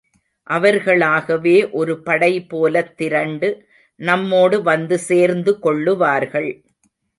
அவர்களாகவே ஒருபடை போலத் திரண்டு நம்மோடு வந்து சேர்ந்து கொள்ளுவார்கள்.